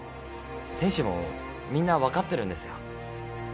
選手もみんな分かってるんですよ